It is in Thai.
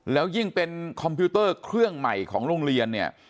แล้วยิ่งเป็นคอมพิวเตอร์เครื่องใหม่ของโรงเรียนเนี่ย